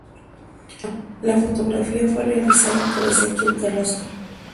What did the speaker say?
La fotografía fue realizada por Ezequiel Carrasco.